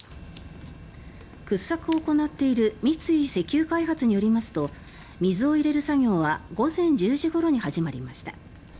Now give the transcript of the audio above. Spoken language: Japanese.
掘削を行っている三井石油開発によりますと水を入れる作業は午前１０時ごろに始まりました。